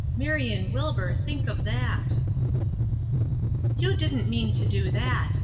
Marion Wilbur, think of that!" "You didn't mean to do that!"